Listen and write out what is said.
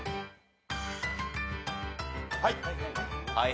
はい。